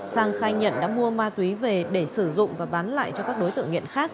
sang khai nhận đã mua ma túy về để sử dụng và bán lại cho các đối tượng nghiện khác